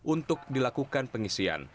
untuk dilakukan pengisian